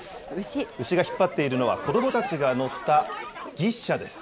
牛が引っ張っているのは、子どもたちが乗ったぎっしゃです。